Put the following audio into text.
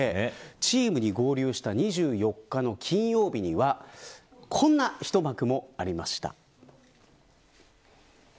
チームに合流した２４日の金曜日にはこんな一幕もありました。